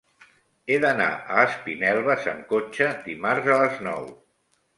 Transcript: He d'anar a Espinelves amb cotxe dimarts a les nou.